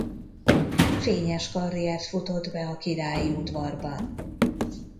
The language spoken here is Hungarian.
Fényes karriert futott be a királyi udvarban.